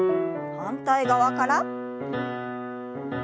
反対側から。